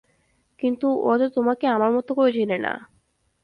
কিন্তু, ওরা তো তোমাকে আমার মতো করে চেনে না।